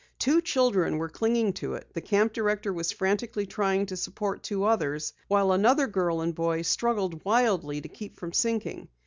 Two children were clinging to it, the camp director was frantically trying to support two others, while another girl and boy struggled wildly to keep from sinking.